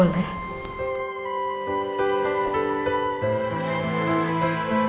aku sudah mampu